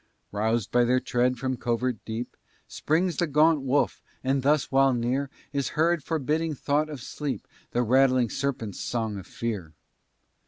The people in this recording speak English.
Roused by their tread from covert deep, Springs the gaunt wolf, and thus while near Is heard, forbidding thought of sleep, The rattling serpent's sound of fear!